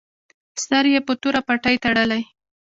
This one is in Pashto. سر یې په توره پټۍ تړلی.